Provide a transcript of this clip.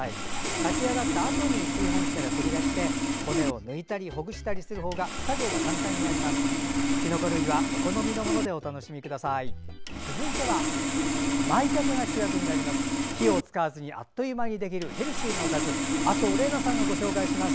炊き上がったあとに炊飯器から取り出して骨を抜いたりほぐしたりする方が作業が簡単になります。